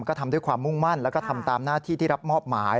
ก็ทำด้วยความมุ่งมั่นแล้วก็ทำตามหน้าที่ที่รับมอบหมาย